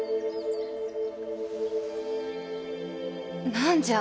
何じゃ！